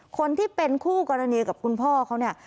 คนที่เป็นคู่กรณีกับคุณพ่อเขาเนี่ย